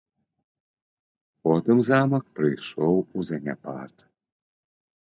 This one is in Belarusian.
Потым замак прыйшоў у заняпад.